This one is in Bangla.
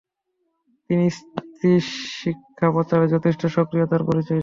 তিনি স্ত্রী শিক্ষা প্রচারে যথেষ্ট সক্রিয়তার পরিচয় দেন।